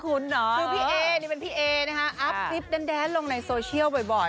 คือพี่เอนี่เป็นพี่เอนะคะอัพคลิปแดนลงในโซเชียลบ่อย